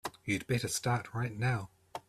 You'd better start right now.